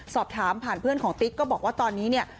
สอบถามผ่านเพื่อนของติ๊กก็บอกว่าตอนนี้เนี่ย